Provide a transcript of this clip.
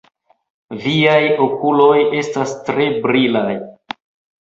Viaj okuloj estas tre brilaj!